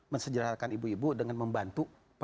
mensejarahkan ibu ibu dengan membantu